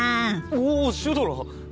おおシュドラ！